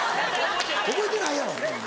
覚えてないやろ！